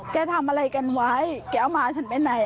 ทำอะไรกันไว้แกเอามาฉันไปไหน